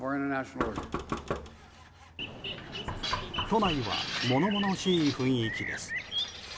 都内は物々しい雰囲気です。